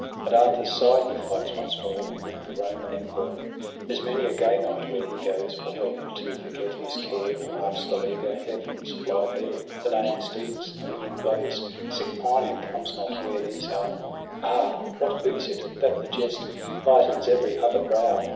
At Arthur's side he fights once more With the Roman Emperor. There's many a gay knight where he goes Will help him to forget his care; The march, the leaguer, Heaven's blithe air, The neighing steeds, the ringing blows — Sick pining comes not where these are. ~Ah ! what boots it, that the jest Lightens every other brow.